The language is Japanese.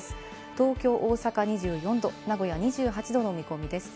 東京と大阪は２４度、名古屋２８度の見込みです。